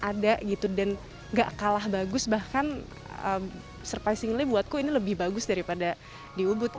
ada gitu dan gak kalah bagus bahkan surprisingly buatku ini lebih bagus daripada di ubud